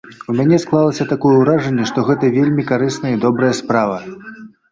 У мяне склалася такое ўражанне, што гэта вельмі карысная і добрая справа.